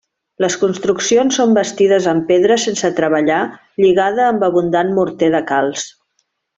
Les construccions són bastides en pedra sense treballar lligada amb abundant morter de calç.